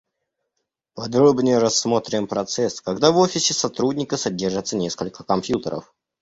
Подробнее рассмотрим процесс, когда в офисе сотрудника содержится несколько компьютеров